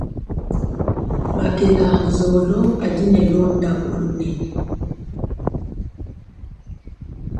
Makela a nzolo adi ne londampu lunene.